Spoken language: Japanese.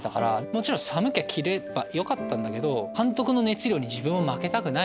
もちろん寒きゃ着ればよかったんだけど監督の熱量に自分も負けたくない！